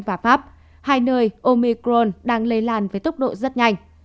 và pháp hai nơi omicron đang lây lan với tốc độ rất nhanh